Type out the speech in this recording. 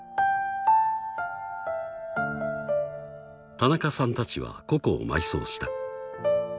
［田中さんたちはココを埋葬した］